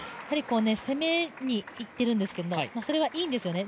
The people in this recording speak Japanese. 攻めにいってるんですけど、それはいいんですよね。